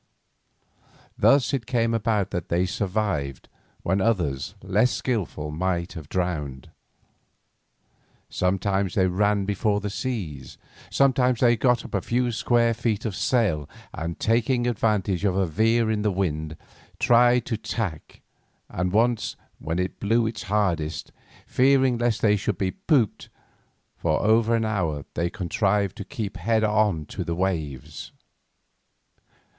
Thus it came about that they survived, when others, less skilful, might have drowned. Sometimes they ran before the seas; sometimes they got up a few square feet of sail, and, taking advantage of a veer in the wind, tried to tack, and once, when it blew its hardest, fearing lest they should be pooped, for over an hour they contrived to keep head on to the waves.